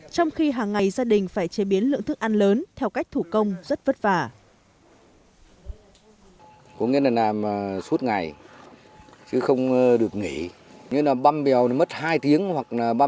trong khi hàng ngày gia đình phải chế biến lượng thức ăn lớn theo cách thủ công rất vất vả